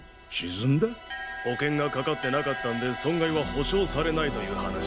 保険がかかってなかったんで損害は補償されないという話だ。